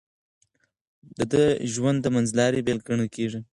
د ده ژوند د منځلارۍ بېلګه ګڼل کېږي.